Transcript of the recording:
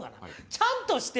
ちゃんとして！